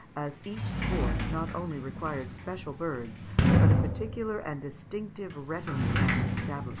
as each sport not only required special birds, but a particular and distinctive retinue and establishment.